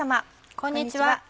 こんにちは。